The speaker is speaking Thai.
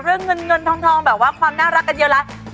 เรื่องเงินเงินทองแบบว่าความน่ารักกันเยอะแล้ว